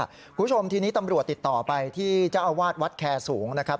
คุณผู้ชมทีนี้ตำรวจติดต่อไปที่เจ้าอาวาสวัดแคร์สูงนะครับ